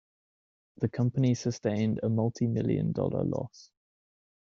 The company sustained a multimillion-dollar loss.